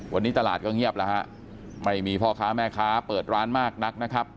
วันนี้ตลาดก็เงียบแล้วฮะไม่มีพ่อค้าแม่ค้าเปิดร้านมากนักนะครับ